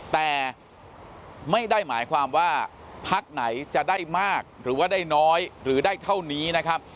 แต่ไม่ได้หมายความว่าพักไหนจะได้มากหรือว่าได้น้อยหรือได้เท่านี้นะครับ